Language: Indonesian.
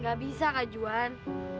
gak bisa kak juhan